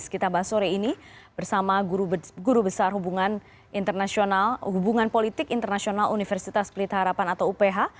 kita bahas sore ini bersama guru besar hubungan politik internasional universitas pelita harapan atau uph